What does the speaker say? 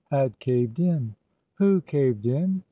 had caved in." "Who caved in!"